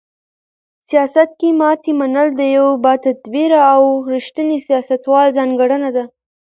سیاست کې ماتې منل د یو باتدبیره او رښتیني سیاستوال ځانګړنه ده.